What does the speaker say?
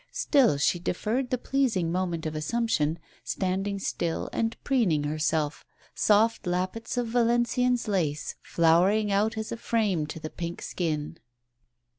Still she deferred the pleasing moment of assumption, standing still and preening her self ; soft lappets of valenciennes lace flowering out as a frame to the pink skin.